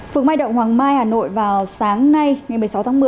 phường mai động hoàng mai hà nội vào sáng nay ngày một mươi sáu tháng một mươi